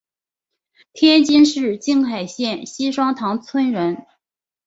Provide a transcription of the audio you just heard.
天津市静海县西双塘村人。